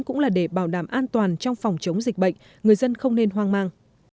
cũng là để bảo đảm an toàn trong phòng chống dịch bệnh người dân không nên hoang mang